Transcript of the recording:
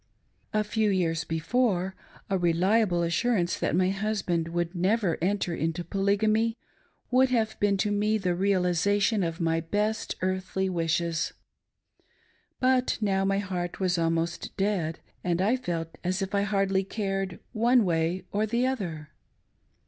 A fe# years before, a reliable assurance that my husband vPould never enter into Polygamy would have been to me the realisation of my best earthly wishes. But now my heart was almost dead, and I felt as if I hardly cared one way or the other.